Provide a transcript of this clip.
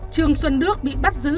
trương xuân đức bị bắt giữ